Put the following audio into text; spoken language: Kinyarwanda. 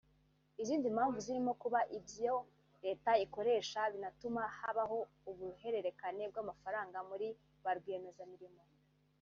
Izindi mpamvu zirimo kuba ibyo Leta ikoresha binatuma habaho uruhererekane rw’amafaranga muri ba rwiyemezamirimo